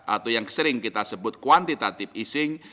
atau yang sering kita sebut kuantitative easing